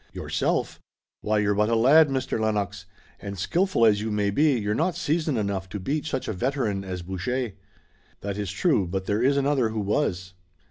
"Yourself! Why, you're but a lad, Mr. Lennox, and skillful as you may be you're not seasoned enough to beat such a veteran as Boucher!" "That is true, but there is another who was."